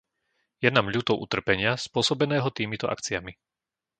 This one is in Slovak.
Je nám ľúto utrpenia spôsobeného týmito akciami.